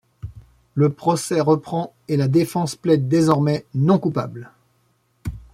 Le procès reprend et la défense plaide désormais non coupable.